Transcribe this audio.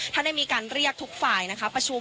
ได้มีการเรียกทุกฝ่ายประชุม